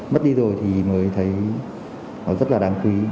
mất đi rồi thì mới thấy nó rất là đáng quý